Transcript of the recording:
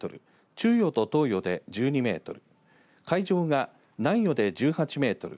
中予と東予で１２メートル海上が南予で１８メートル